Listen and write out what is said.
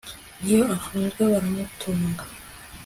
N iyo afunzwe baramutunga